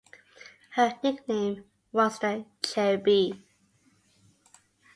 Her nickname was the "Cherry B".